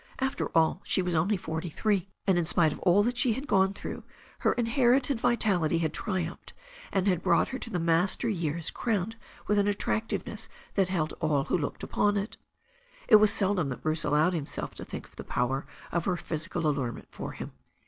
After all, she was only forty three, and in spite of all that she had gone through, her inherited vitality had triumphed, and had brought her to the master years crowned with an at tractiveness that held all who looked upon it. It was seldom that Bruce allowed himself to think of the power of her physical allurement for him.